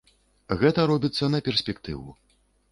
Гэта робіцца на перспектыву.